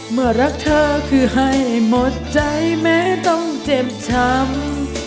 เมื่อรักเธอคือให้หมดใจแม้ต้องเจ็บช้ำ